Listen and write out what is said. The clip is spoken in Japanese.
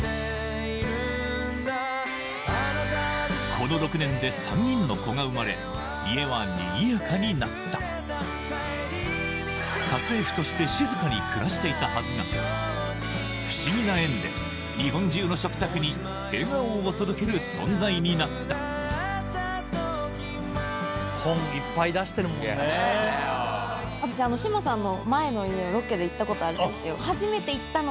この６年で３人の子が生まれ家はにぎやかになった家政婦として静かに暮らしていたはずが不思議な縁でになった私志麻さんの。